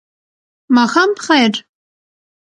ماښام په خیر !